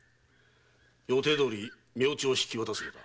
予定どおり明朝引き渡すのだ。